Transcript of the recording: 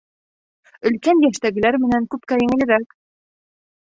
— Өлкән йәштәгеләр менән күпкә еңелерәк.